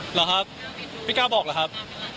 เหรอครับไม่กล้าบอกเหรอครับ